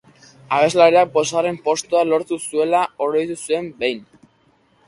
Abeslariak bosgarren postua lortu zuela oroitu zuen behin.